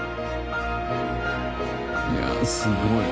いやすごい。